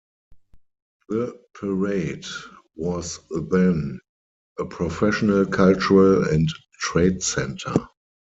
The "Parade" was then a professional, cultural and trade center.